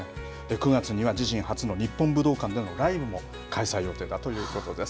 ９月には自身初の日本武道館でのライブも開催予定だということです。